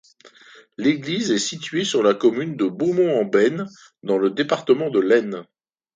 L'église est située sur la commune de Beaumont-en-Beine, dans le département de l'Aisne.